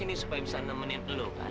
aku ke sini supaya bisa nemenin lo kan